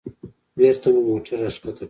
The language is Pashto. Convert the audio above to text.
بېرته مو موټر راښکته کړ.